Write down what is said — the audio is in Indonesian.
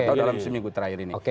atau dalam seminggu terakhir ini